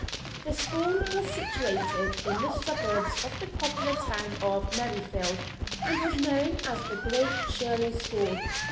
The school was situated in the suburbs of the popular town of Merrifield, and was known as the Great Shirley School.